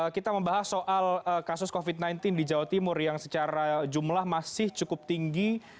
kita membahas soal kasus covid sembilan belas di jawa timur yang secara jumlah masih cukup tinggi